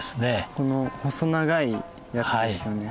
この細長いやつですよね。